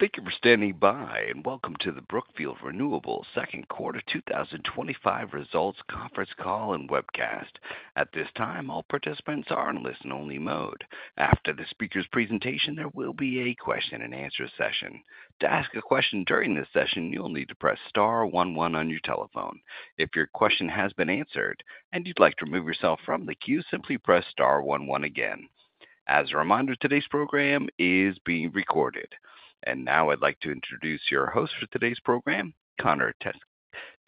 Thank you for standing by and welcome to the Brookfield Renewable Second Quarter 2025 Results Conference Call and webcast. At this time, all participants are in listen only mode. After the speaker's presentation, there will be a question and answer session. To ask a question during this session, you will need to press star one one on your telephone. If your question has been answered and you'd like to remove yourself from the queue, simply press star one one again. As a reminder, today's program is being recorded. Now I'd like to introduce your host for today's program, Connor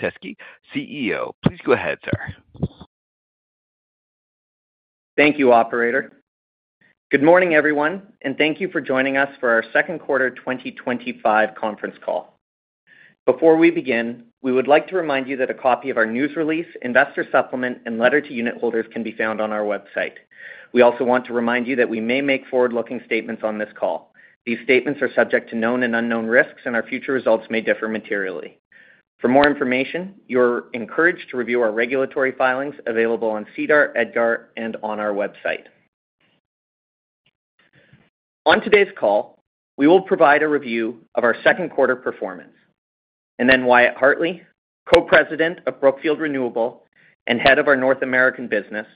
Teskey, CEO. Please go ahead, sir. Thank you, Operator. Good morning, everyone, and thank you for joining us for our second quarter 2025 conference call. Before we begin, we would like to remind you that a copy of our news release, investor supplement, and letter to unitholders can be found on our website. We also want to remind you that we may make forward-looking statements on this call. These statements are subject to known and unknown risks, and our future results may differ materially. For more information, you are encouraged to review our regulatory filings available on SEDAR, EDGAR, and on our website. On today's call, we will provide a review of our second quarter performance. Then Wyatt Hartley, Co-President of Brookfield Renewable and Head of our North American business,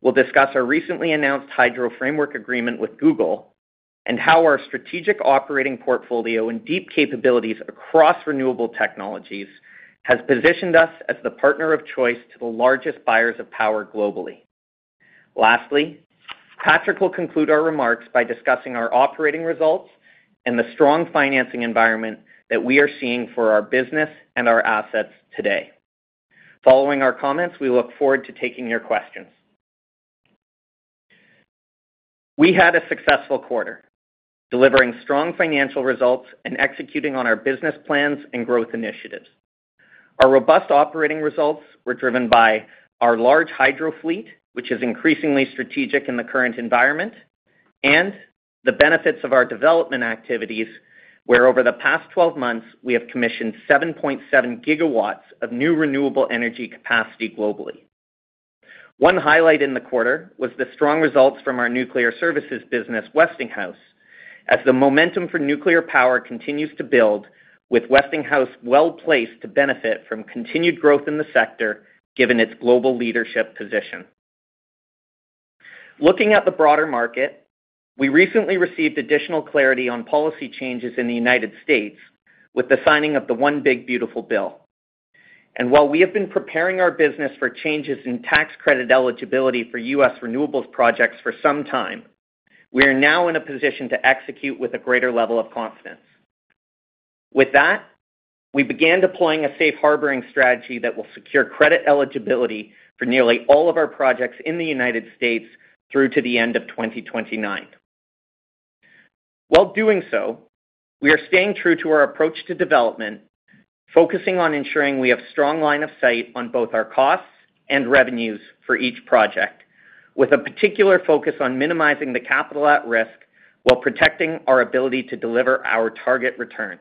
will discuss our recently announced Hydro Framework Agreement with Google and how our strategic operating portfolio and deep capabilities across renewable technologies have positioned us as the partner of choice to the largest buyers of power globally. Lastly, Patrick will conclude our remarks by discussing our operating results and the strong financing environment that we are seeing for our business and our assets today. Following our comments, we look forward to taking your questions. We had a successful quarter delivering strong financial results and executing on our business plans and growth initiatives. Our robust operating results were driven by our large hydro fleet, which is increasingly strategic in the current environment, and the benefits of our development activities, where over the past 12 months we have commissioned 7.7 GW of new renewable energy capacity globally. One highlight in the quarter was the strong results from our nuclear services business, Westinghouse, as the momentum for nuclear power continues to build, with Westinghouse well placed to benefit from continued growth in the sector given its global leadership position. Looking at the broader market, we recently received additional clarity on policy changes in the U.S. with the signing of the One Big Beautiful Bill. While we have been preparing our business for changes in tax credit eligibility for U.S. renewables projects for some time, we are now in a position to execute with a greater level of confidence. With that, we began deploying a safe harboring strategy that will secure credit eligibility for nearly all of our projects in the U.S. through to the end of 2029. While doing so, we are staying true to our approach to development, focusing on ensuring we have strong line of sight on both our costs and revenues for each project, with a particular focus on minimizing the capital at risk while protecting our ability to deliver our target returns.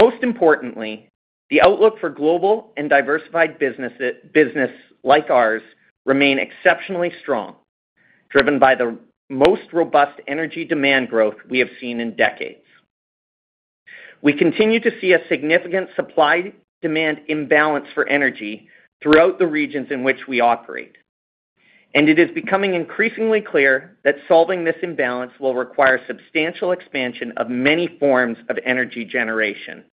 Most importantly, the outlook for a global and diversified business like ours remains exceptionally strong, driven by the most robust energy demand growth we have seen in decades. We continue to see a significant supply-demand imbalance for energy throughout the regions in which we operate, and it is becoming increasingly clear that solving this imbalance will require substantial expansion of many forms of energy generation,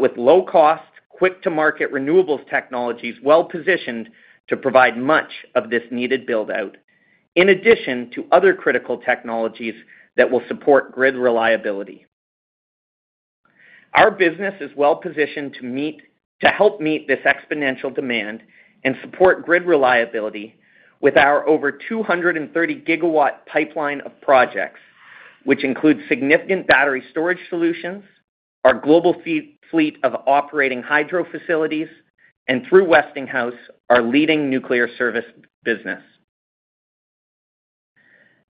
with low-cost, quick-to-market renewables technologies well positioned to provide much of this needed buildout in addition to other critical technologies that will support grid reliability. Our business is well positioned to help meet this exponential demand and support grid reliability with our over 230 GW pipeline of projects, which include significant battery storage solutions, our global fleet of operating hydro facilities, and through Westinghouse, our leading nuclear services business.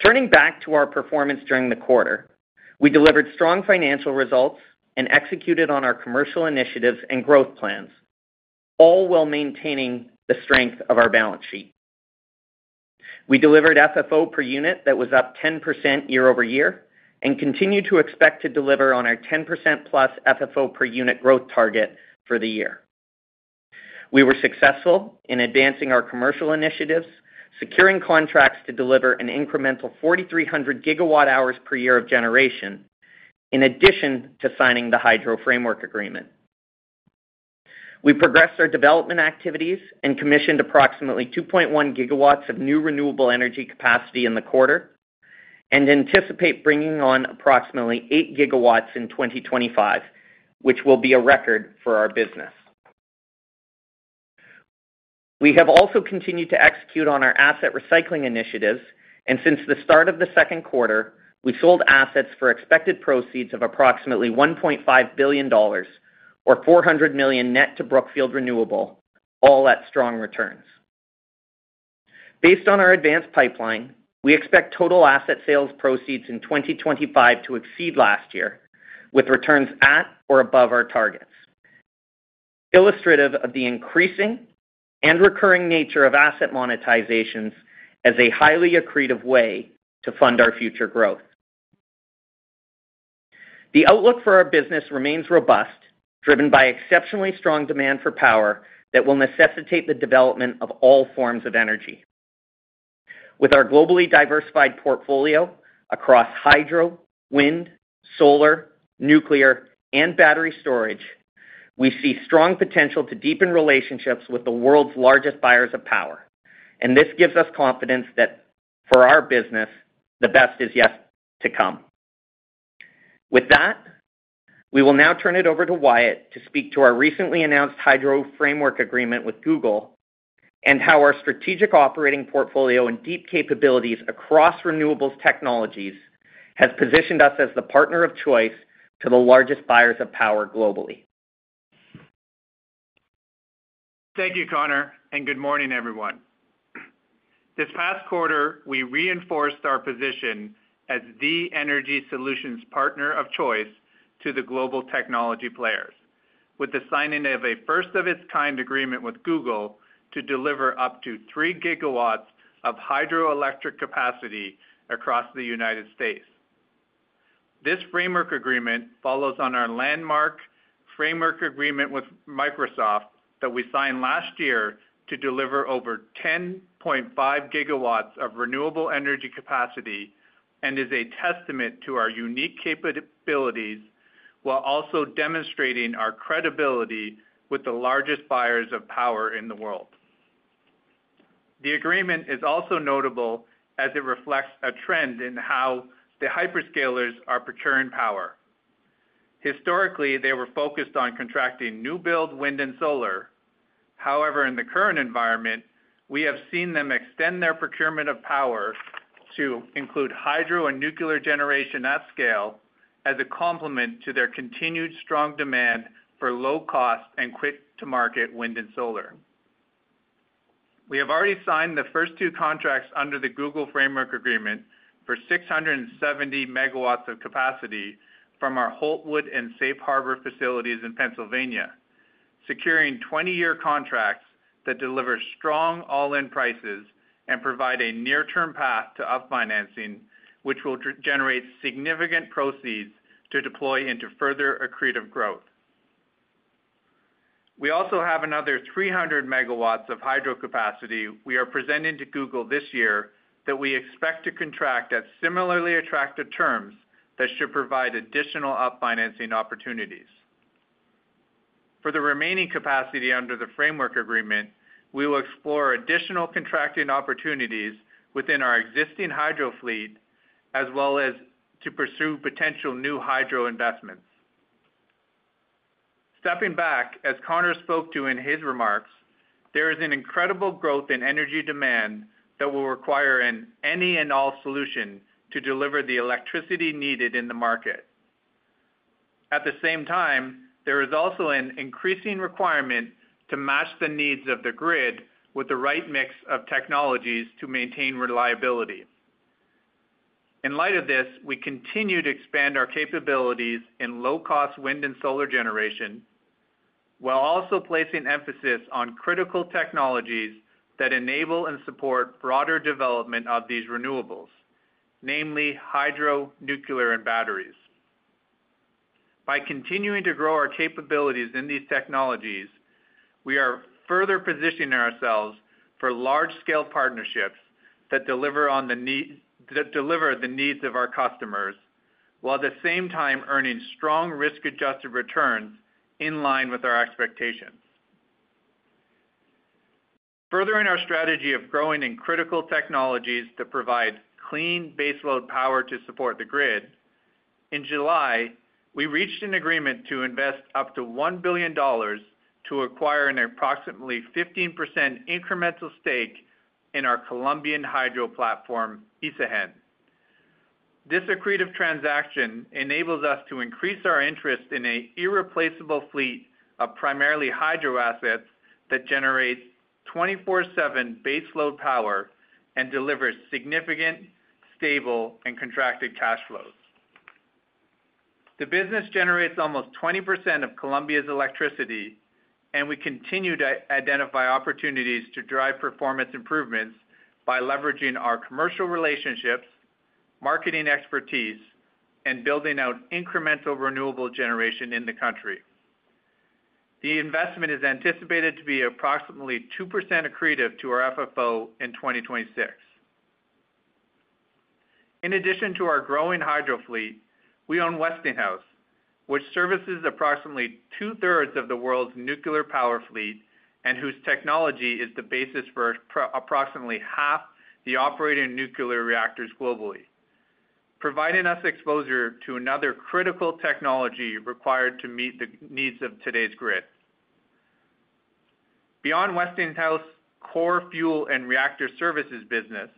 Turning back to our performance during the quarter, we delivered strong financial results and executed on our commercial initiatives and growth plans, all while maintaining the strength of our balance sheet. We delivered FFO per unit that was up 10% year-over-year and continue to expect to deliver on our 10%+ FFO per unit growth target for the year. We were successful in advancing our commercial initiatives, securing contracts to deliver an incremental 4,300 GWh per year of generation. In addition to signing the Hydro Framework Agreement, we progressed our development activities and commissioned approximately 2.1 GW of new renewable energy capacity in the quarter and anticipate bringing on approximately 8 GW in 2025, which will be a record for our business. We have also continued to execute on our asset recycling initiatives, and since the start of the second quarter, we sold assets for expected proceeds of approximately $1.5 billion, or $400 million net to Brookfield Renewable, all at strong returns. Based on our advanced pipeline, we expect total asset sales proceeds in 2025 to exceed last year with returns at or above our targets. Illustrative of the increasing and recurring nature of asset monetizations as a highly accretive way to fund our future growth, the outlook for our business remains robust, driven by exceptionally strong demand for power that will necessitate the development of all forms of energy with our globally diversified portfolio across hydro, wind, solar, nuclear, and battery storage. We see strong potential to deepen relationships with the world's largest buyers of power, and this gives us confidence that for our business the best is yet to come. With that, we will now turn it over to Wyatt to speak to our recently announced Hydro Framework Agreement with Google and how our strategic operating portfolio and deep capabilities across renewables technologies has positioned us as the partner of choice to the largest buyers of power globally. Thank you Connor and good morning everyone. This past quarter we reinforced our position as the energy solutions partner of choice to the global technology players with the signing of a first of its kind agreement with Google to deliver up to 3 GW of hydroelectric capacity across the U.S. This Hydro Framework Agreement follows on our landmark Framework Agreement with Microsoft that we signed last year to deliver over 10.5 GW of renewable energy capacity and is a testament to our unique capabilities while also demonstrating our credibility with the largest buyers of power in the world. The agreement is also notable as it reflects a trend in how the hyperscalers are procuring power. Historically they were focused on contracting new build wind and solar. However, in the current environment we have seen them extend their procurement of power to include hydro and nuclear generation at scale as a complement to their continued strong demand for low cost and quick to market wind and solar. We have already signed the first two contracts under the Google Framework Agreement for 670 MW of capacity from our Holtwood and Safe Harbor facilities in Pennsylvania, securing 20 year contracts that deliver strong all in prices and provide a near term path to up financing which will generate significant proceeds to deploy into further accretive growth. We also have another 300 MW of hydro capacity we are presenting to Google this year that we expect to contract at similarly attractive terms that should provide additional up financing opportunities for the remaining capacity. Under the Framework Agreement we will explore additional contracting opportunities within our existing hydro fleet as well as to pursue potential new hydro investments. Stepping back, as Connor spoke to in his remarks, there is an incredible growth in energy demand that will require an any and all solution to deliver the electricity needed in the market. At the same time there is also an increasing requirement to match the needs of the grid with the right mix of technologies to maintain reliability. In light of this, we continue to expand our capabilities in low cost wind and solar generation while also placing emphasis on critical technologies that enable and support broader development of these renewables, namely hydro, nuclear and batteries. By continuing to grow our capabilities in these technologies, we are further positioning ourselves for large-scale partnerships that deliver the needs of our customers while at the same time earning strong risk-adjusted returns in line with our expectations. Furthering our strategy of growing in critical technologies to provide clean baseload power to support the grid, in July we reached an agreement to invest up to $1 billion to acquire an approximately 15% incremental stake in our Colombian hydro platform, Isagen. This accretive transaction enables us to increase our interest in an irreplaceable fleet of primarily hydro assets that generate 24/7 baseload power and deliver significant, stable, and contracted cash flows. The business generates almost 20% of Colombia's electricity, and we continue to identify opportunities to drive performance improvements by leveraging our commercial relationships, marketing expertise, and building out incremental renewable generation in the country. The investment is anticipated to be approximately 2% accretive to our FFO in 2026. In addition to our growing hydro fleet, we own Westinghouse, which services approximately two-thirds of the world's nuclear power fleet and whose technology is the basis for approximately half the operating nuclear reactors globally, providing us exposure to another critical technology required to meet the needs of today's grid. Beyond Westinghouse's core fuel and reactor services business,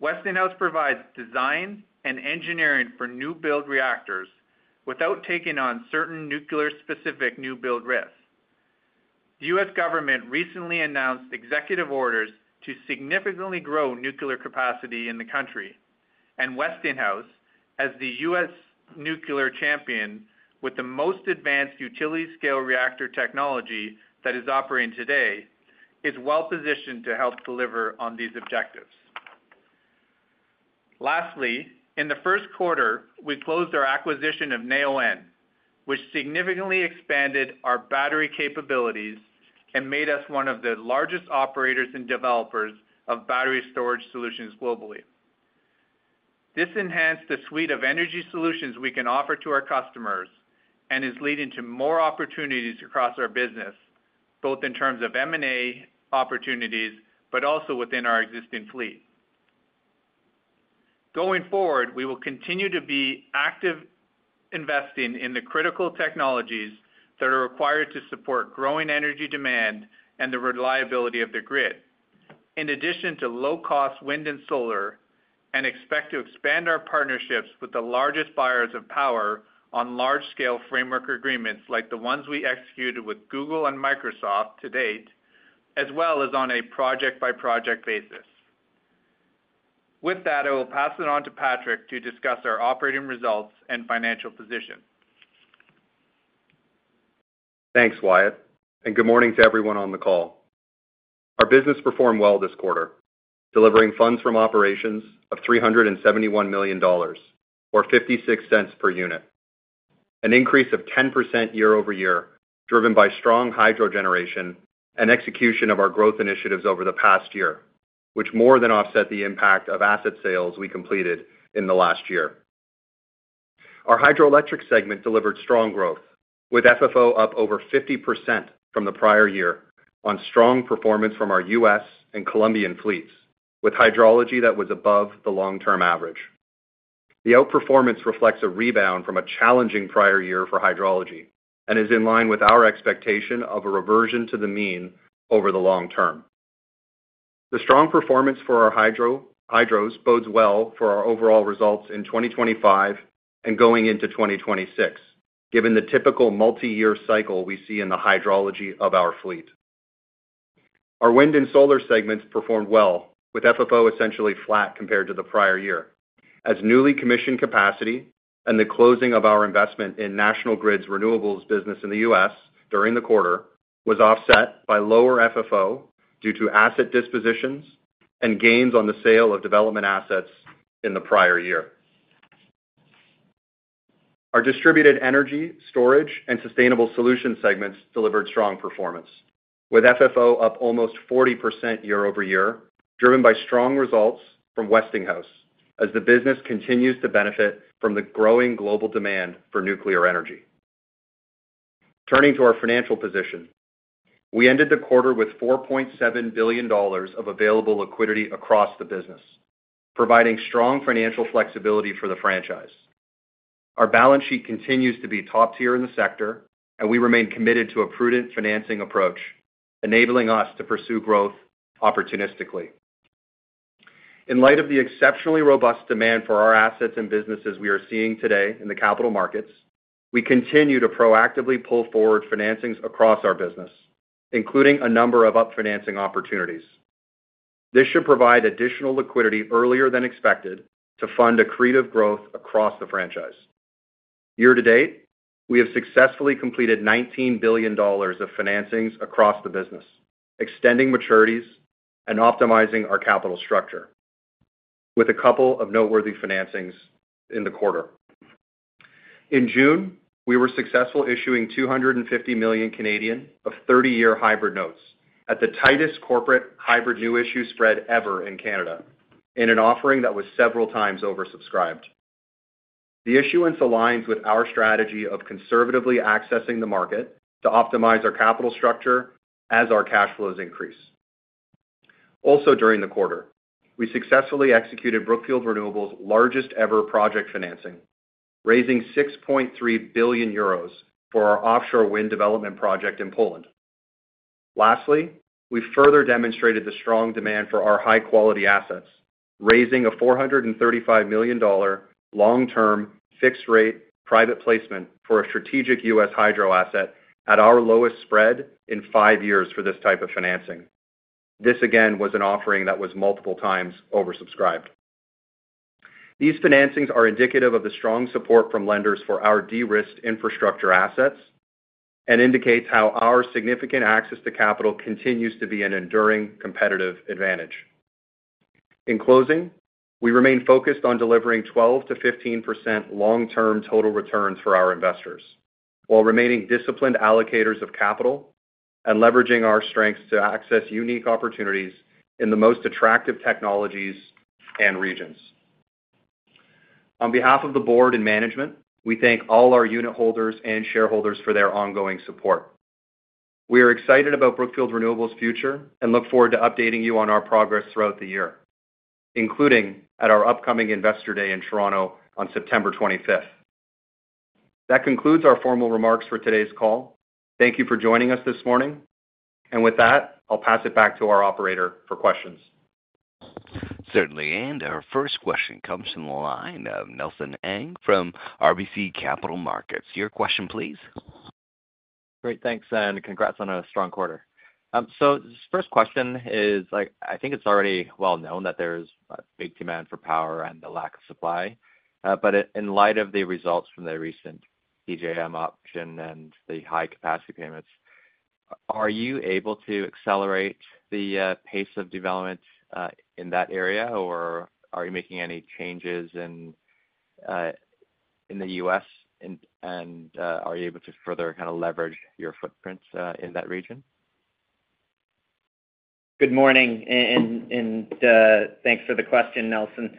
Westinghouse provides design and engineering for new build reactors without taking on certain nuclear-specific new build risks. The U.S. Government recently announced executive orders to significantly grow nuclear capacity in the country, and Westinghouse, as the U.S. nuclear champion with the most advanced utility-scale reactor technology that is operating today, is well positioned to help deliver on these objectives. Lastly, in the first quarter we closed our acquisition of Neoen, which significantly expanded our battery capabilities and made us one of the largest operators and developers of battery storage solutions globally. This enhanced the suite of energy solutions we can offer to our customers and is leading to more opportunities across our business, both in terms of M&A opportunities but also within our existing fleet. Going forward, we will continue to be active investing in the critical technologies that are required to support growing energy demand and the reliability of the grid, in addition to low-cost wind and solar, and expect to expand our partnerships with the largest buyers of power on large-scale framework agreements like the ones we executed with Google and Microsoft to date, as well as on a project-by-project basis. With that, I will pass it on to Patrick to discuss our operating results and financial position. Thanks Wyatt and good morning to everyone on the call. Our business performed well this quarter, delivering funds from operations of $371 million or $0.56 per unit, an increase of 10% year over year, driven by strong hydro generation and execution of our growth initiatives over the past year, which more than offset the impact of asset sales we completed in the last year. Our hydroelectric segment delivered strong growth, with FFO up over 50% from the prior year on strong performance from our U.S. and Colombian fleets, with hydrology that was above the long-term average. The outperformance reflects a rebound from a challenging prior year for hydrology and is in line with our expectation of a reversion to the mean over the long-term. The strong performance for our hydros bodes well for our overall results in 2025 and going into 2026, given the typical multi-year cycle we see in the hydrology of our fleet. Our wind and solar segments performed well, with FFO essentially flat compared to the prior year, as newly commissioned capacity and the closing of our investment in National Grid Renewables in the U.S. during the quarter was offset by lower FFO due to asset dispositions and gains on the sale of development assets in the prior year. Our distributed energy storage and sustainable solutions segments delivered strong performance, with FFO up almost 40% year-over-year, driven by strong results from Westinghouse as the business continues to benefit from the growing global demand for nuclear energy. Turning to our financial position, we ended the quarter with $4.7 billion of available liquidity across the business, providing strong financial flexibility for the franchise. Our balance sheet continues to be top tier in the sector, and we remain committed to a prudent financing approach, enabling us to pursue growth opportunistically in light of the exceptionally robust demand for our assets and businesses we are seeing today in the capital markets. We continue to proactively pull forward financings across our business, including a number of up financing opportunities. This should provide additional liquidity earlier than expected to fund accretive growth across the franchise. Year to date, we have successfully completed $19 billion of financings across the business, extending maturities and optimizing our capital structure with a couple of noteworthy financings in the quarter. In June we were successful issuing 250 million of 30-year hybrid notes at the tightest corporate hybrid new issue spread ever in Canada, in an offering that was several times oversubscribed. The issuance aligns with our strategy of conservatively accessing the market to optimize our capital structure as our cash flows increase. Also during the quarter, we successfully executed Brookfield Renewable's largest ever project financing, raising €6.3 billion for our offshore wind development project in Poland. Lastly, we further demonstrated the strong demand for our high-quality assets, raising a $435 million long-term fixed rate private placement for a strategic U.S. hydro asset at our lowest spread in five years for this type of financing. This again was an offering that was multiple times oversubscribed. These financings are indicative of the strong support from lenders for our de-risked infrastructure assets and indicate how our significant access to capital continues to be an enduring competitive advantage. In closing, we remain focused on delivering 12% to 15% long-term total returns for our investors while remaining disciplined allocators of capital and leveraging our strengths to access unique opportunities in the most attractive technologies and regions. On behalf of the Board and management, we thank all our unitholders and shareholders for their ongoing support. We are excited about Brookfield Renewable's future and look forward to updating you on our progress throughout the year, including at our upcoming Investor Day in Toronto on September 25th. That concludes our formal remarks for today's call. Thank you for joining us this morning, and with that, I'll pass it back to our operator for questions. Certainly. Our first question comes from the line of Nelson Ng from RBC Capital Markets. Your question please. Great, thanks and congrats on a strong quarter. First question is, I think it's already well known that there's big demand for power and the lack of supply, but in light of the results from the recent PJM auction and the high capacity payments, are you able to accelerate the pace of development in that area or are you making any changes in the U.S. and are you able to further leverage your footprint in that region? Good morning and thanks for the question, Nelson.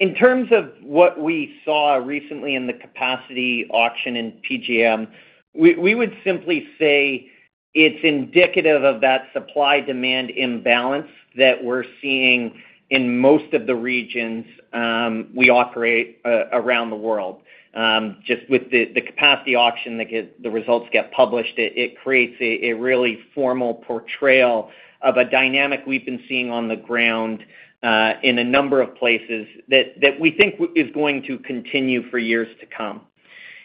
In terms of what we saw recently in the capacity auction in PJM, we would simply say it's indicative of that supply-demand imbalance that we're seeing in most of the regions we operate around the world. With the capacity auction, the results get published, and it creates a really formal portrayal of a dynamic we've been seeing on the ground in a number of places that we think is going to continue for years to come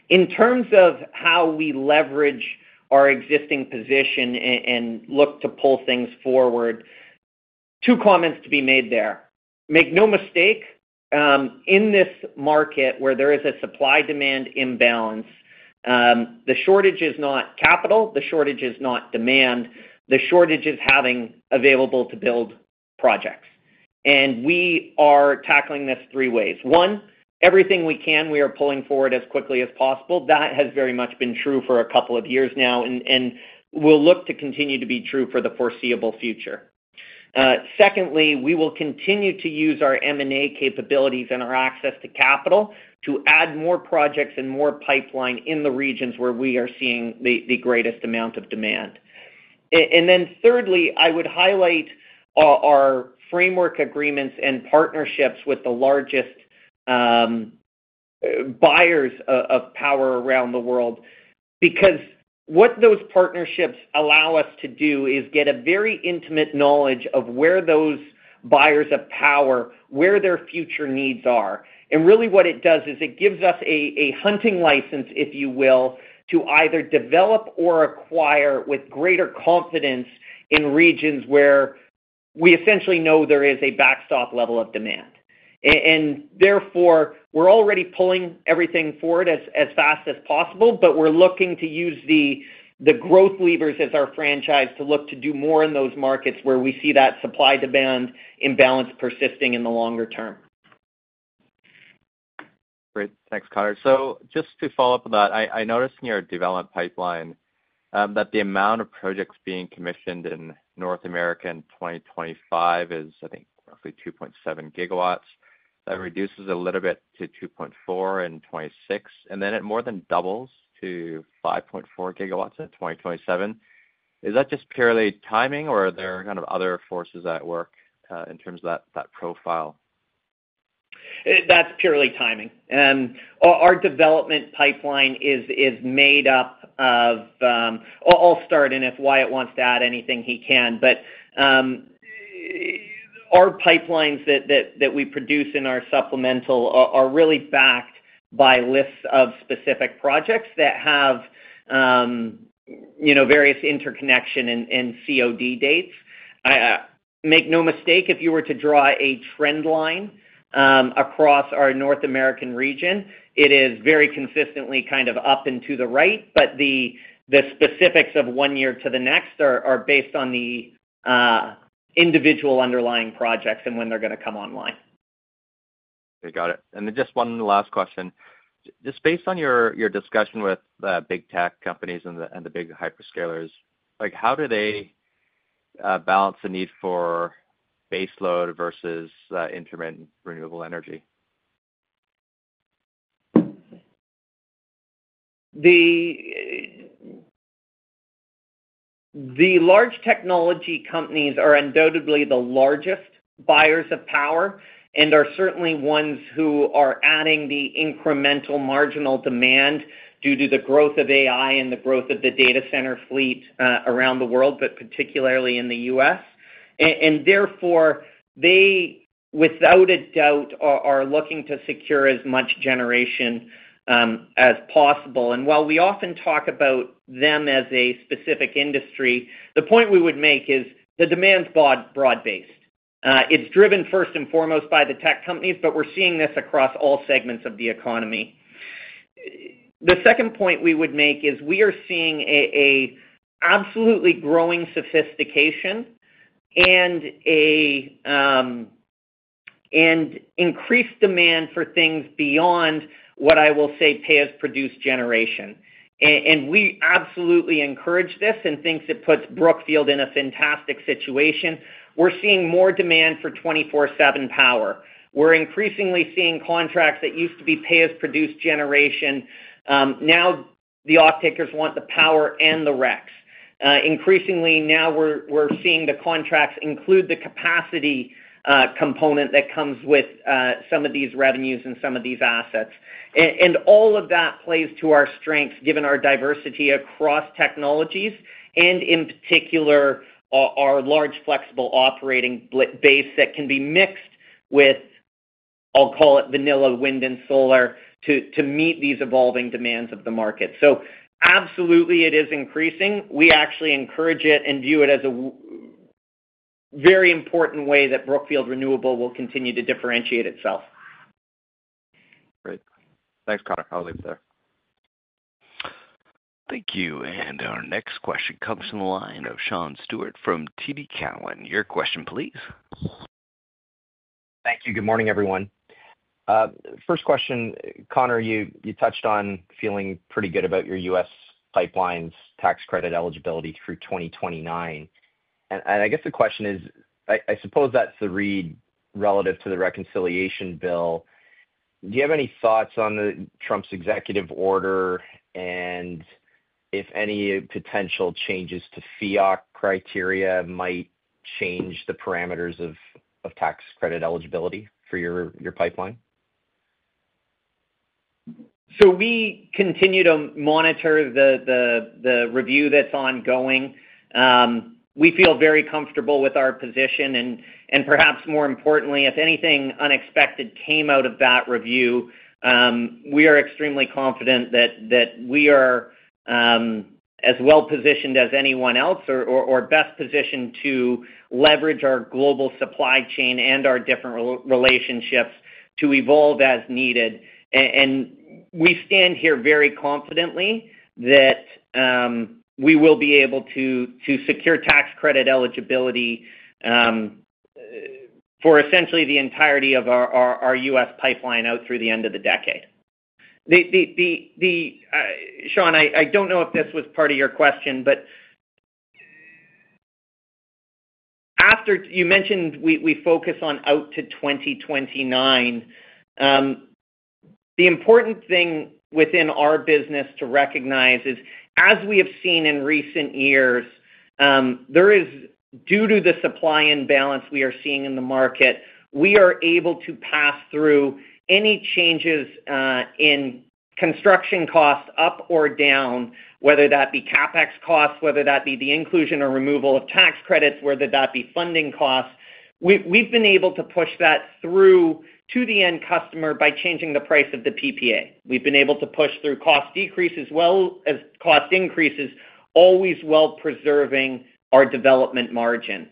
in terms of how we leverage our existing position and look to pull things forward. Two comments to be made there. Make no mistake, in this market where there is a supply-demand imbalance, the shortage is not capital, the shortage is not demand. The shortage is having available to build projects, and we are tackling this three ways. One, everything we can, we are pulling forward as quickly as possible. That has very much been true for a couple of years now and will look to continue to be true for the foreseeable future. Secondly, we will continue to use our M&A capabilities and our access to capital to add more projects and more pipeline in the regions where we are seeing the greatest amount of demand. Thirdly, I would highlight our framework agreements and partnerships with the largest buyers of power around the world. What those partnerships allow us to do is get a very intimate knowledge of where those buyers of power, where their future needs are. What it does is it gives us a hunting license, if you will, to either develop or acquire with greater confidence in regions where we essentially know there is a backstop level of demand, and therefore we are already pulling everything forward as fast as possible. We are looking to use the growth levers as our franchise to look to do more in those markets where we see that supply-demand imbalance persisting in the longer term. Great. Thanks, Connor. Just to follow up on that, I noticed in your development pipeline that the amount of projects being commissioned in North America in 2025 is, I think, roughly 2.7 GW. That reduces a little bit to 2.4 GW in 2026, and then it more than doubles to 5.4 GW in 2027. Is that just purely timing, or are there other forces at work in terms of that profile? That's purely timing. Our development pipeline is made up of, I'll start, and if Wyatt wants to add anything, he can. Our pipelines that we produce in our supplemental are really backed by lists of specific projects that have various interconnection and COD dates. Make no mistake, if you were to draw a trend line across our North American region, it is very consistently kind of up and to the right. The specifics of one year to the next are based on the individual underlying projects and when they are going to come online. Got it. Just one last question, based on your discussion with big tech companies and the big hyperscalers, how do they balance the need for baseload versus intermittent renewable energy? The large technology companies are undoubtedly the largest buyers of power and are certainly ones who are adding the incremental marginal demand due to the growth of AI and the growth of the data center fleet around the world, particularly in the U.S., and therefore they without a doubt are looking to secure as much generation as possible. While we often talk about them as a specific industry, the point we would make is the demand is broad based. It's driven first and foremost by the tech companies, but we're seeing this across all segments of the economy. The second point we would make is we are seeing an absolutely growing sophistication and increased demand for things beyond what I will say pay as produced generation, and we absolutely encourage this and think it puts Brookfield in a fantastic situation. We're seeing more demand for 24/7 power. We're increasingly seeing contracts that used to be pay as produced generation. Now the offtakers want the power and the RECs. Increasingly, now we're seeing the contracts include the capacity component that comes with some of these revenues and some of these assets. All of that plays to our strengths given our diversity across technologies and in particular our large, flexible operating base that can be mixed with, I'll call it, vanilla wind and solar to meet these evolving demands of the market. It is increasing. We actually encourage it and view it as a very important way that Brookfield Renewable will continue to differentiate itself. Great. Thanks, Connor. I'll leave it there. Thank you. Our next question comes from the line of Sean Steuart from TD Cowen. Your question, please. Thank you. Good morning, everyone. First question. Connor, you touched on feeling pretty good about your U.S. pipeline's tax credit eligibility through 2029. I guess the question is, I suppose that's the read relative to the reconciliation bill. Do you have any thoughts on Trump's executive order and if any potential changes to FEAC criteria might change the parameters of tax credit eligibility for your pipeline? We continue to monitor the review that's ongoing. We feel very comfortable with our position, and perhaps more importantly, if anything unexpected came out of that review, we are extremely confident that we are as well positioned as anyone else or best positioned to leverage our global supply chain and our different relationships to evolve as needed. We stand here very confidently that we will be able to secure tax credit eligibility for essentially the entirety of our U.S. pipeline out through the end of the decade. Sean, I don't know if this was part of your question, but after you mentioned we focus on out to 2029. The important thing within our business to recognize is, as we have seen in recent years, due to the supply imbalance we are seeing in the market, we are able to pass through any changes in construction costs up or down, whether that be CapEx costs, whether that be the inclusion or removal of tax credits, whether that be funding costs. We've been able to push that through to the end customer by changing the price of the PPA. We've been able to push through cost decreases as well as cost increases, always while preserving our development margin.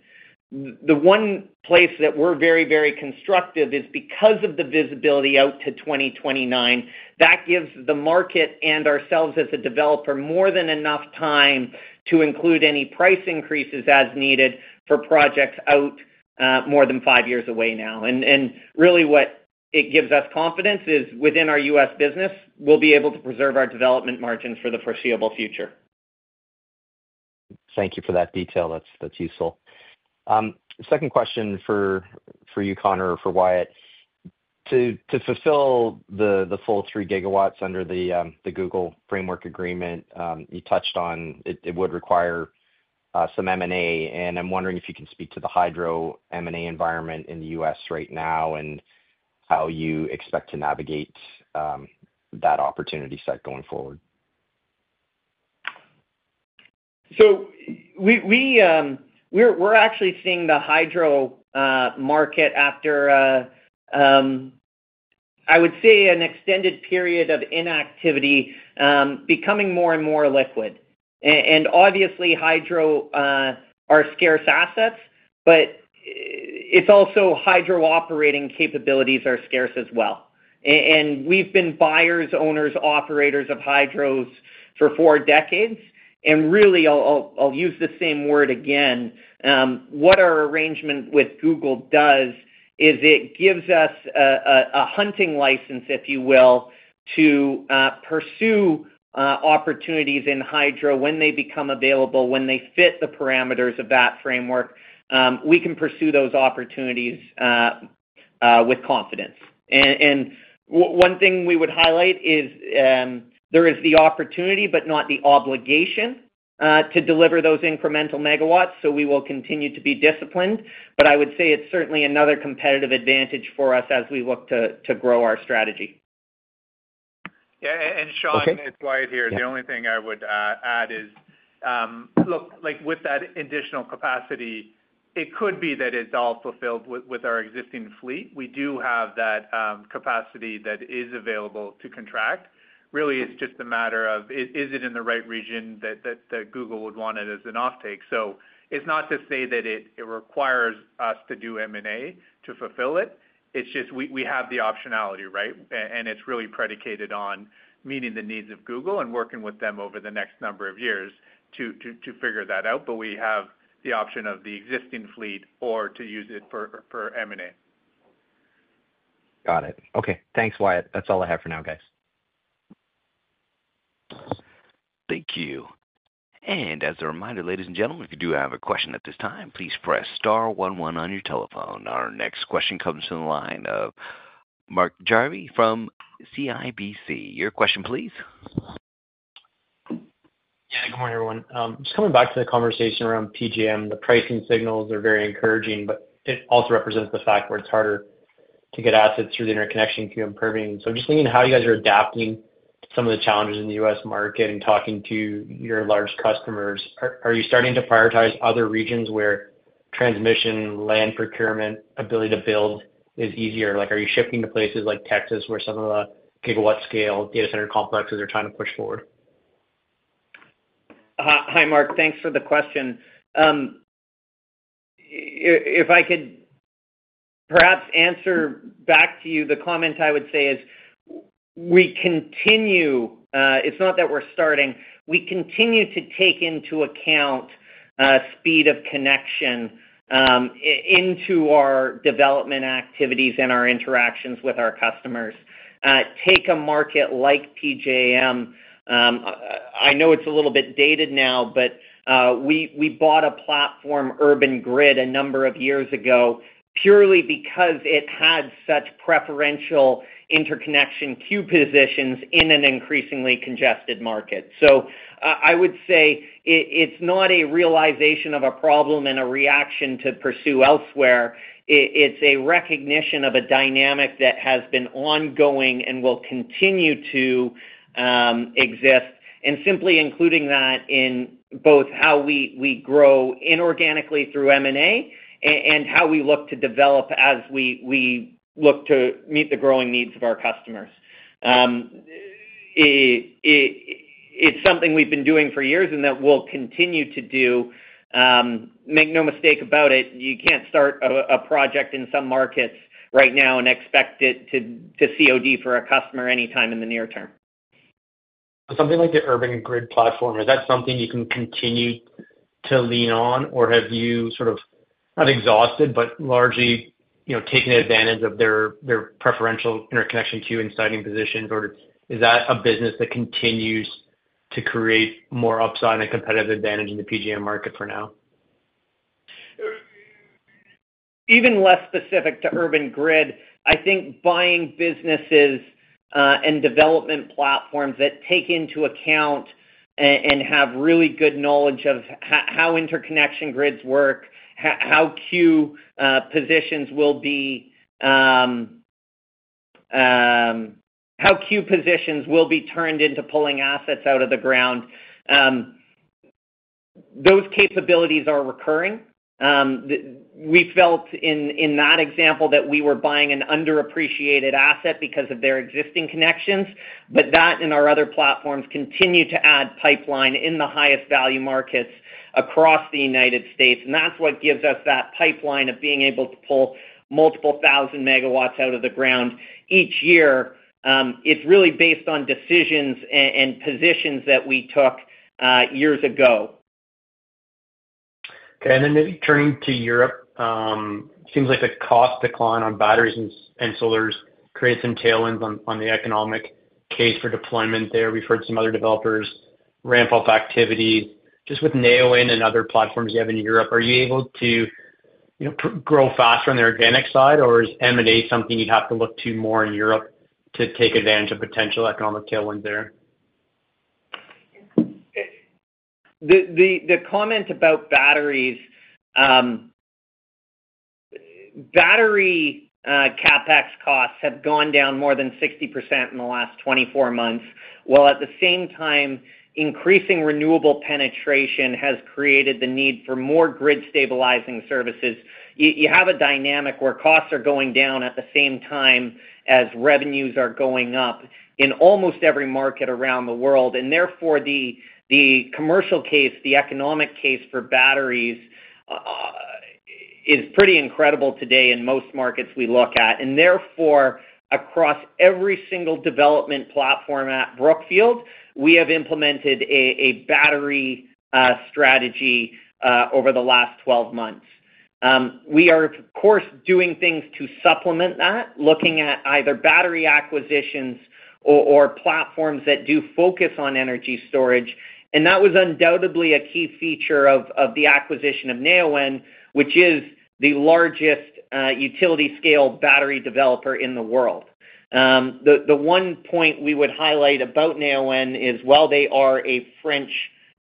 The one place that we're very, very constructive is because of the visibility out to 2029 that gives the market and ourselves as a developer more than enough time to include any price increases as needed for projects out more than five years away now. Really, what it gives us confidence is within our U.S. business, we'll be able to preserve our development margins for the foreseeable future. Thank you for that detail. That's useful. Second question for you, Connor, or for Wyatt, to fulfill the full 3 GW under the Google Framework Agreement you touched on, it would require some M&A. I'm wondering if you can speak to the hydro M&A environment in the U.S. right now and how you expect to navigate that opportunity set going forward. So. We're actually seeing the hydro market, after I would say an extended period of inactivity, becoming more and more liquid. Obviously, hydro are scarce assets, but also hydro operating capabilities are scarce as well. We've been buyers, owners, operators of hydros for four decades. Really, I'll use the same word again. What our arrangement with Google does is it gives us a hunting license, if you will, to pursue opportunities in hydro when they become available. When they fit the parameters of that framework, we can pursue those opportunities with confidence. One thing we would highlight is there is the opportunity, but not the obligation, to deliver those incremental megawatts. We will continue to be disciplined, but I would say it's certainly another competitive advantage for us as we look to grow our strategy. Sean, it's Wyatt here. The only thing I would add is, look, with that additional capacity, it could be that it's all fulfilled with our existing fleet. We do have that capacity that is available to contract. Really, it's just a matter of is it in the right region that Google would want it as an offtake? It's not to say that it requires us to do M&A to fulfill it. We have the optionality, right? It's really predicated on meeting the needs of Google and working with them over the next number of years to figure that out. We have the option of the existing fleet or to use it for M&A. Got it. Okay. Thanks, Wyatt. That's all I have for now, guys. Thank you. As a reminder, ladies and gentlemen, if you do have a question at this time, please press star one 1 on your telephone. Our next question comes to the line of Mark Jarvi from CIBC. Your question, please. Good morning, everyone. Just coming back to the conversation around PGM. The pricing signals are very encouraging, but it also represents the fact where it's harder to get assets through the interconnection. Q improving. I'm just thinking how you guys are adapting some of the challenges in the U.S. market and talking to your large customers, are you starting to prioritize other regions where transmission, land procurement, ability to build is easier? Like, are you shifting to places like Texas where some of the gigawatt scale data center complexes are trying to push forward? Hi Mark, thanks for the question. If I could perhaps answer back to you. The comment I would say is we continue. It's not that we're starting. We continue to take into account speed of connection into our development activities and our interactions with our customers. Take a market like PJM. I know it's a little bit dated now, but we bought a platform, Urban Grid, a number of years ago purely because it had such preferential interconnection queue positions in an increasingly congested market. I would say it's not a realization of a problem and a reaction to pursue elsewhere. It's a recognition of a dynamic that has been ongoing and will continue to exist. Simply including that in both how we grow inorganically through M&A and how we look to develop as we look to meet the growing needs of our customers. It's something we've been doing for years and that we'll continue to do. Make no mistake about it, you can't start a project in some markets right now and expect it to COD for a customer anytime in the near term. Something like the urban grid platform, is that something you can continue to lean on or have you sort of not exhausted but largely taken advantage of their preferential interconnection queue and siting positions? Is that a business that continues to create more upside and competitive advantage in the PJM market for now? Even. Less specific to Urban Grid, I think buying businesses and development platforms that take into account and have really good knowledge of how interconnection grids work, how queue positions will be, how queue positions will be turned into pulling assets out of the ground, those capabilities are recurring. We felt in that example that we were buying an underappreciated asset because of their existing connections. That and our other platforms continue to add pipeline in the highest value markets across the U.S. That's what gives us that pipeline of being able to pull multiple thousand megawatts out of the ground each year. It's really based on decisions and positions that we took years ago. Okay, and then maybe turning to Europe, seems like the cost decline on batteries and solar has created some tailwinds on the economic case for deployment there. We've heard some other developers ramp up activities. Just with Neoen and other platforms you have in Europe, are you able to grow faster on the organic side? Or is M&A something you'd have to look to more in Europe to take advantage of potential economic tailwinds there? The comment about batteries. Battery CapEx costs have gone down more than 60% in the last 24 months, while at the same time increasing renewable penetration has created the need for more grid stabilizing services. You have a dynamic where costs are going down at the same time as revenues are going up in almost every market around the world. Therefore, the commercial case, the economic case for batteries is pretty incredible. Today in most markets we look at and therefore across every single development platform. At Brookfield, we have implemented a battery strategy over the last 12 months. We are of course doing things to supplement that, looking at either battery acquisitions or platforms that do focus on energy storage. That was undoubtedly a key feature of the acquisition of Neoen, which is the largest utility scale battery developer in the world. The one point we would highlight about Neoen is while they are a French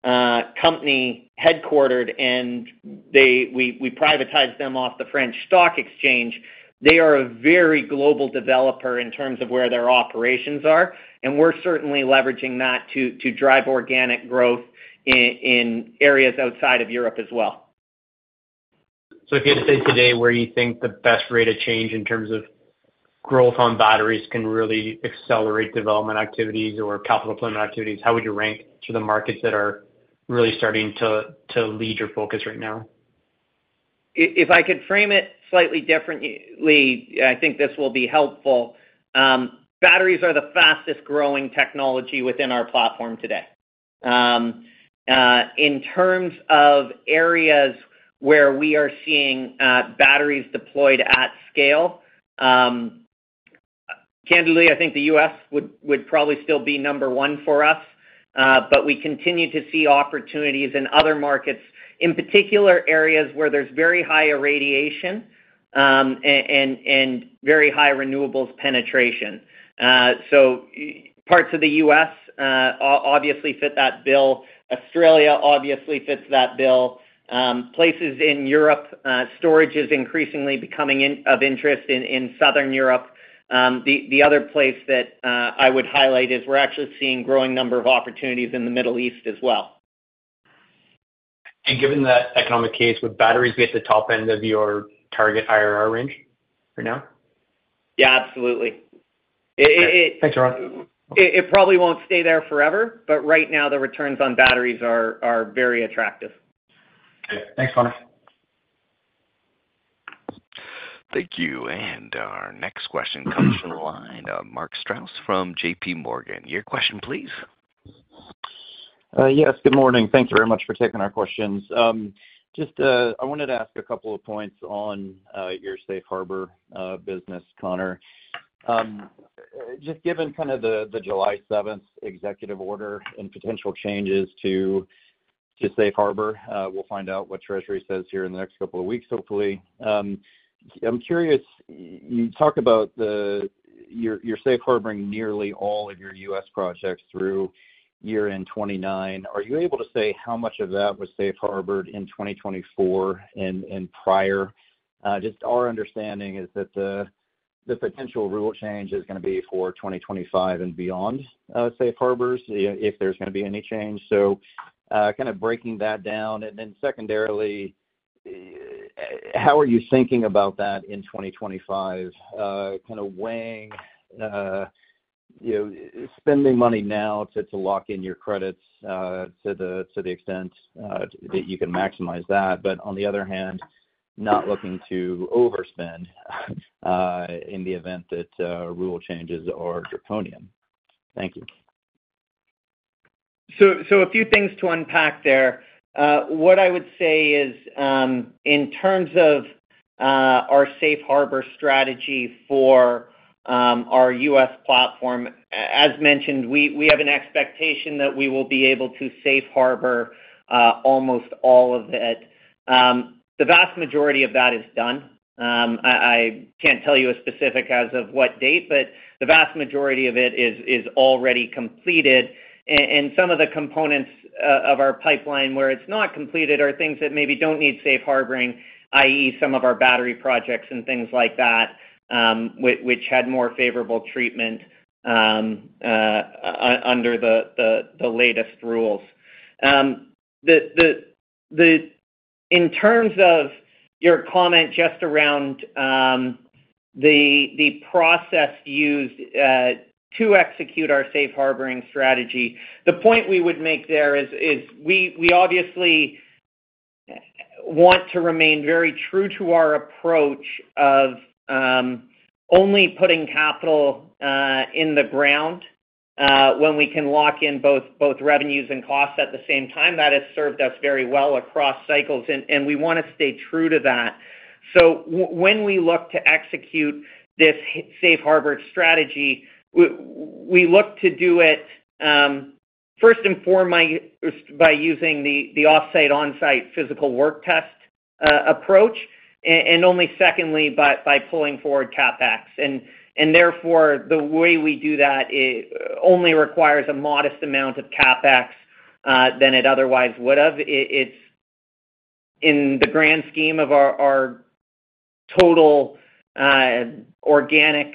company headquartered and we privatized them off the French stock exchange, they are a very global developer in terms of where their operations are. We are certainly leveraging that to drive organic growth in areas outside of Europe as well. If you had to say today where you think the best rate of change in terms of growth on batteries can really accelerate development activities or capital deployment activities, how would you rank the markets that are really starting to lead your focus right now? If I could frame it slightly differently, I think this will be helpful. Batteries are the fastest growing technology within our platform today in terms of areas where we are seeing batteries deployed at scale. Candidly, I think the U.S. would probably still be number one for us, but we continue to see opportunities in other markets, in particular areas where there's very high irradiation and very high renewables penetration. Parts of the U.S. obviously fit that bill. Australia obviously fits that bill. Places in Europe, storage is increasingly becoming of interest in Southern Europe. The other place that I would highlight is we're actually seeing a growing number of opportunities in the Middle East as well. Given that economic case, would batteries be at the top end of your target IRR range for now? Yeah, absolutely. Thanks, Connor. It probably won't stay there forever, but right now the returns on batteries are very attractive. Thanks Connor. Thank you. Our next question comes from the line of Mark Wesley Strouse from JPMorgan.. Your question, please. Yes, good morning. Thank you very much for taking our questions. I wanted to ask a couple of points on your safe harboring strategy. Connor. Just given the July 7 executive order and potential changes to safe harbor, we'll find out what Treasury says here in the next couple of weeks, hopefully. I'm curious, you talk about that you're safe harboring nearly all of your U.S. projects through year end 2029. Are you able to say how much of that was safe harbored in 2024 and prior? Just our understanding is that the potential rule change is going to be for 2025 and beyond safe harbors if there's. Going to be any change. Kind of breaking that down, and then secondarily, how are you thinking about that in 2025, weighing spending money now to lock in your credits to the extent that you can maximize that, but on the other hand, not looking to overspend in the event that rule changes are draconian. Thank you. A few things to unpack there. What I would say is in terms of our safe harbor strategy for our U.S. platform, as mentioned, we have an expectation that we will be able to safe harbor almost all of it. The vast majority of that is done. I can't tell you a specific as of what date, but the vast majority of it is already completed. Some of the components of our pipeline where it's not completed are things that maybe don't need safe harboring, that is some of our battery projects and things like that which had more favorable treatment under the latest rules. In terms of your comment just around the process used to execute our safe harboring strategy, the point we would make there is we obviously want to remain very true to our approach of only putting capital in the ground when we can lock in both revenues and costs at the same time. That has served us very well across cycles and we want to stay true to that. When we look to execute this safe harbor strategy, we look to do it first by using the off-site, on-site physical work test approach and only secondly by pulling forward CapEx and therefore the way we do that only requires a modest amount of CapEx than it otherwise would have. It's in the grand scheme of our total organic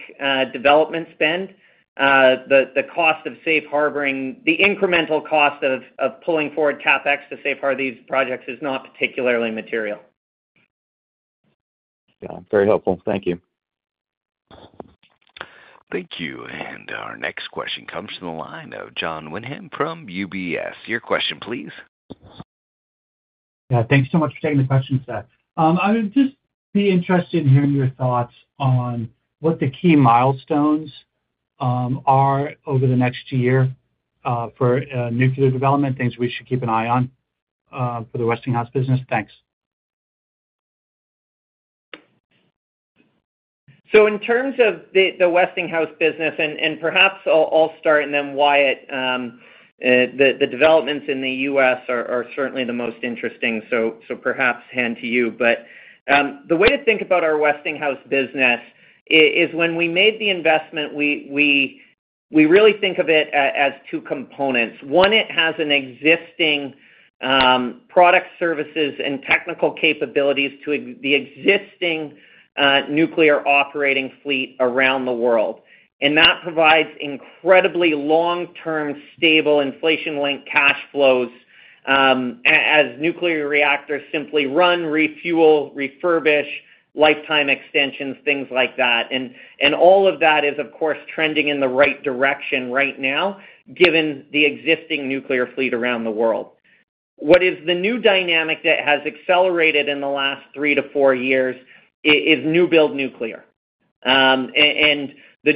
development spend. The cost of safe harboring, the incremental cost of pulling forward CapEx to safe harbor these projects is not particularly material. Very helpful. Thank you. Thank you. Our next question comes from the line of Jon Windham from UBS. Your question, please. Thanks so much for taking the question, Seth. I'd be interested in hearing your. Thoughts on what the key milestones are. Over the next year for nuclear development. Things we should keep an eye on. For the Westinghouse business. Thanks. In terms of the Westinghouse business, and perhaps I'll start and then Wyatt, the developments in the U.S. are certainly the most interesting. The way to think about our Westinghouse business is when we made the investment, we really think of it as two components. One, it has an existing product, services, and technical capabilities to the existing nuclear operating fleet around the world. That provides incredibly long-term, stable, inflation-linked cash flows as nuclear reactors simply run, refuel, refurbish, lifetime extensions, things like that. All of that is, of course, trending in the right direction right now given the existing nuclear fleet around the world. What is the new dynamic that has accelerated in the last three to four years is new build nuclear. The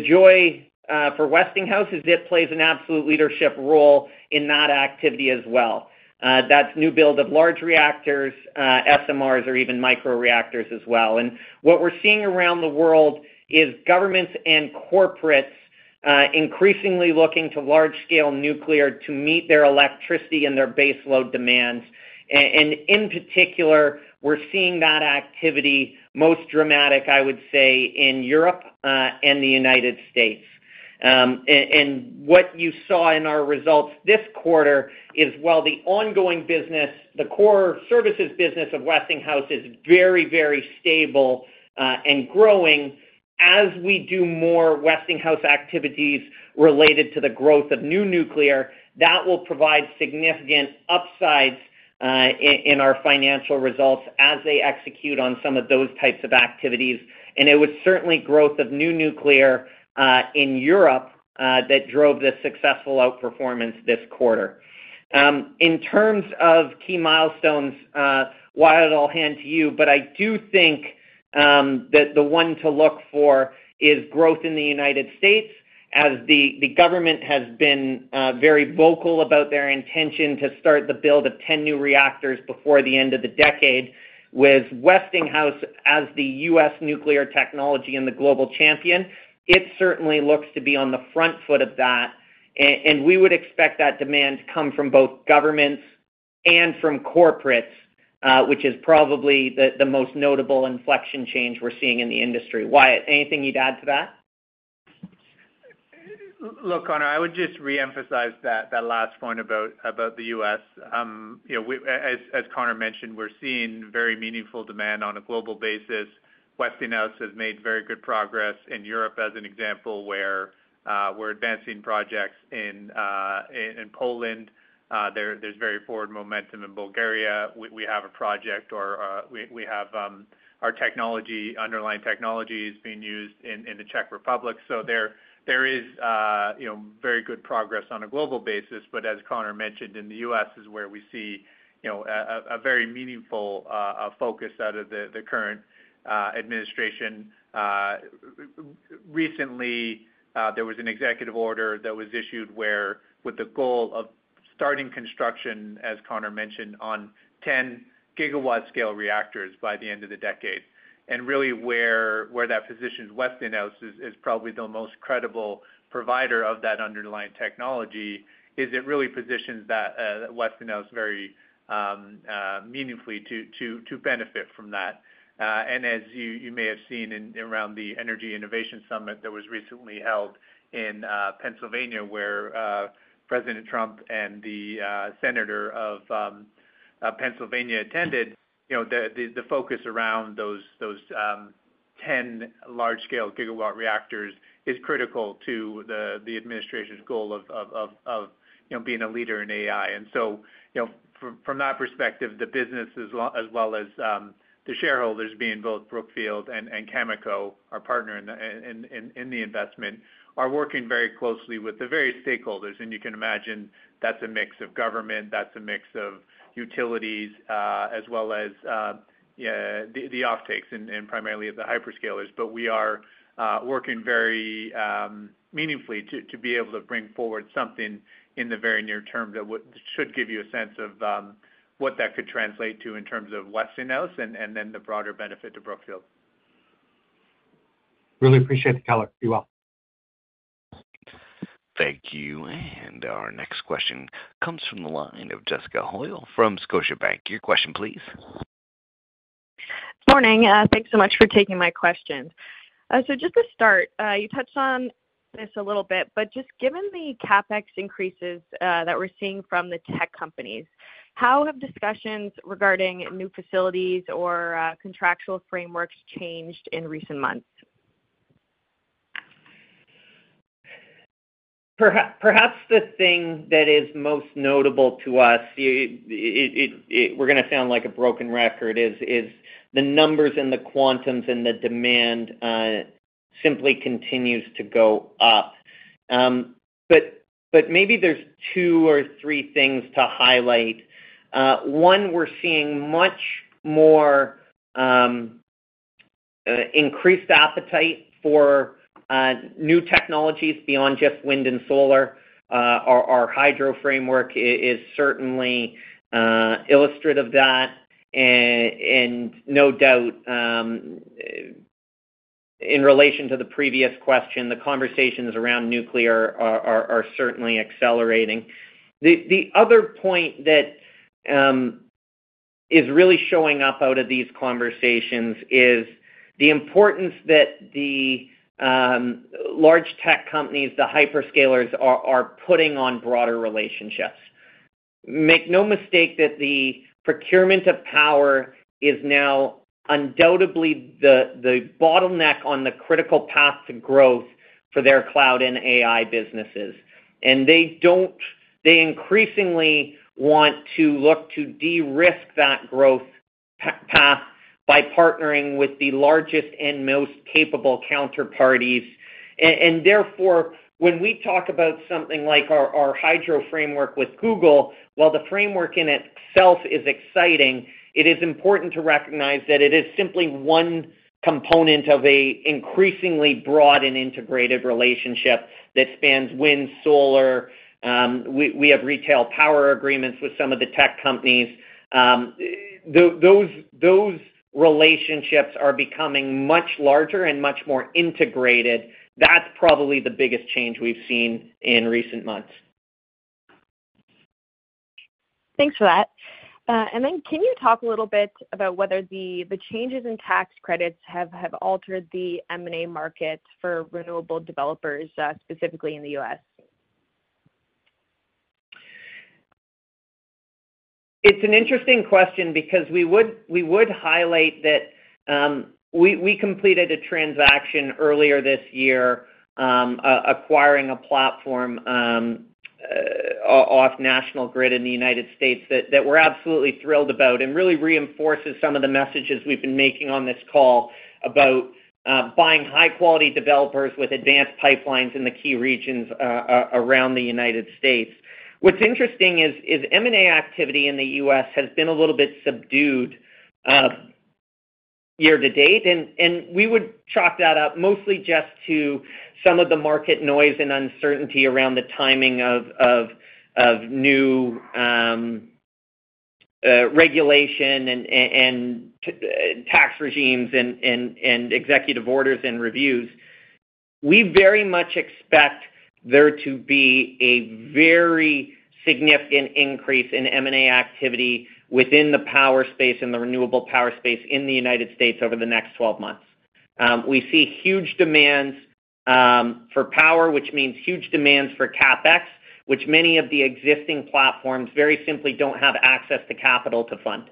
joy for Westinghouse is it plays an absolute leadership role in that activity as well. That's new build of large reactors, SMRs, or even microreactors as well. What we're seeing around the world is governments and corporates increasingly looking to large-scale nuclear to meet their electricity and their baseload demands. In particular, we're seeing that activity most dramatic, I would say, in Europe and the United States. What you saw in our results this quarter is while the ongoing business, the core services business of Westinghouse, is very, very stable and growing, as we do more Westinghouse activities related to the growth of new nuclear, that will provide significant upsides in our financial results as they execute on some of those types of activities. It was certainly growth of new nuclear in Europe that drove this successful outperformance this quarter in terms of key milestones. I do think that the one to look for is growth in the United States, as the government has been very vocal about their intention to start the build of 10 new reactors before the end of the decade. With Westinghouse as the U.S. nuclear technology and the global champion, it certainly looks to be on the front foot of that. We would expect that demand to come from both governments and from corporates, which is probably the most notable inflection change we're seeing in the industry. Wyatt, anything you'd add to that? Look, Connor, I would just re-emphasize that last point about the U.S. As Connor mentioned, we're seeing very meaningful demand on a global basis. Westinghouse has made very good progress in Europe, as an example, where we're advancing projects in Poland. There's very forward momentum in Bulgaria. We have our underlying technologies being used in the Czech Republic. There is very good progress on a global basis. As Connor mentioned, in the U.S. is where we see a very meaningful focus out of the current administration. Recently, there was an executive order that was issued with the goal of starting construction, as Connor mentioned, on 10 GW scale reactors by the end of the decade. Where that positions Westinghouse is probably the most credible provider of that underlying technology. It really positions Westinghouse very meaningfully to benefit from that. As you may have seen around the Energy Innovation Summit that was recently held in Pennsylvania, where President Trump and the Senator of Pennsylvania attended, the focus around those 10 large scale gigawatts reactors is critical to the administration's goal of being a leader in AI. From that perspective, the business as well as the shareholders, being both Brookfield and Cameco, our partner in the investment, are working very closely with the various stakeholders. You can imagine that's a mix of government, a mix of utilities, as well as the offtakes and primarily the hyperscalers. We are working very meaningfully to be able to bring forward something in the very near term that should give you a sense of what that could translate to in terms of Westinghouse and then the broader benefit to Brookfield. Really appreciate the color. You're welcome. Thank you. Our next question comes from the line of Jessica Hoyle from Scotiabank. Your question please. Good morning. Thanks so much for taking my questions. Just to start, you touched on, but just given the CapEx increases that we're seeing from the tech companies, how have discussions regarding new facilities or contractual frameworks changed in recent months? Perhaps the thing that is most notable to us, we're going to sound like a broken record, is the numbers and the quantums and the demand simply continues to go up. Maybe there's two or three things to highlight. One, we're seeing much more increased appetite for new technologies beyond just wind and solar. Our Hydro Framework Agreement is certainly illustrative. That, and no doubt in relation to the previous question, the conversations around nuclear are certainly accelerating. The other point that is really showing up out of these conversations is the importance that the large tech companies, the hyperscalers, are putting on broader relationships. Make no mistake that the procurement of power is now undoubtedly the bottleneck on the critical path to growth for their cloud and AI businesses. They increasingly want to look to de-risk that growth path by partnering with the largest and most capable counterparties. Therefore, when we talk about something like our Hydro Framework Agreement with Google, while the framework in itself is exciting, it is important to recognize that it is simply one component of an increasingly broad and integrated relationship that spans wind, solar. We have retail power agreements with some of the tech companies. Those relationships are becoming much larger and much more integrated. That is probably the biggest change we have seen in recent months. Thanks for that. Can you talk a little bit about whether the changes in tax credits have altered the M&A market for renewable developers, specifically in the U.S.? It'S. An interesting question because we would highlight that we completed a transaction earlier this year acquiring a platform off National Grid in the U.S. that we're absolutely thrilled about and really reinforces some of the messages we've been making on this call about buying high quality developers with advanced pipelines in the key regions around the U.S. What's interesting is M&A activity in the U.S. has been a little bit subdued year to date, and we would chalk that up mostly just to some of the market noise and uncertainty around the timing of new regulation and tax regimes and executive orders and reviews. We very much expect there to be a very significant increase in M&A activity within the power space and the renewable power space in the U.S. over the next 12 months. We see huge demands for power, which means huge demands for CapEx, which many of the existing platforms very simply don't have access to capital to fund.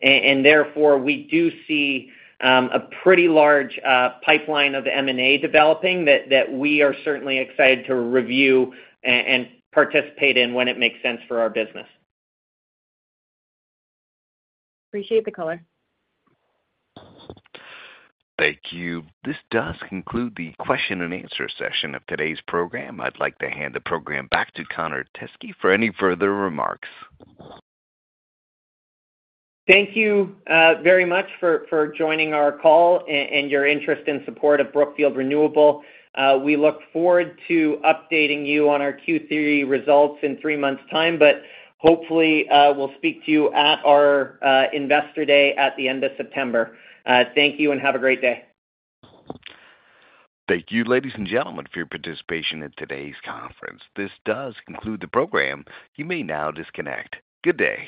Therefore, we do see a pretty large pipeline of M&A developing that we are certainly excited to review and participate in when it makes sense for our business. Appreciate the color. Thank you. This does conclude the question and answer session of today's program. I'd like to hand the program back to Connor Teskey for any further remarks. Thank you very much for joining our call and your interest in support of Brookfield Renewable. We look forward to updating you on our Q3 results in three months' time, but hopefully we'll speak to you at our Investor Day at the end of September. Thank you and have a great day. Thank you, ladies and gentlemen, for your participation in today's conference. This does conclude the program. You may now disconnect. Good day.